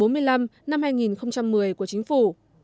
năm hai nghìn một mươi của chính phủ